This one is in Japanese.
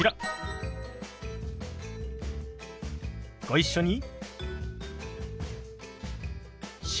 ご一緒に。